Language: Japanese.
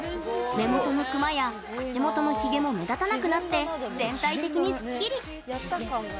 目元のクマや口元のひげも目立たなくなって全体的にすっきり！